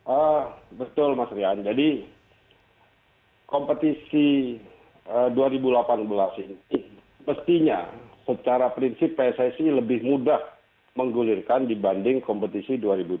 oh betul mas rian jadi kompetisi dua ribu delapan belas ini mestinya secara prinsip pssi lebih mudah menggulirkan dibanding kompetisi dua ribu tujuh belas